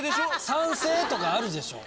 酸性とかあるでしょ。